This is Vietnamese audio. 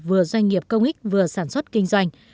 vừa doanh nghiệp công ích vừa sản xuất kinh doanh